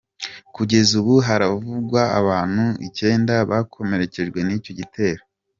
Kugeza ubu haravugwa abantu icyenda bakomerekejwe n’ icyo gitero.